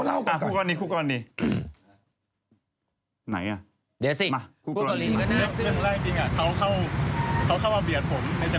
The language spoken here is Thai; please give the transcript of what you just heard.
แล้วเรานี่ผมก็ถูกเบียดมาแต่ก็พยายามเบียดเหมือนกัน